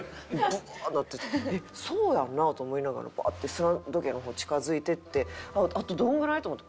ブワーッなっててえっそうやんな？と思いながらバッて砂時計の方に近付いてってあとどんぐらい？と思ってパッと見たら。